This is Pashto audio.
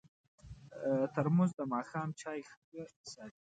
ترموز د ماښام چای ښه ساتي.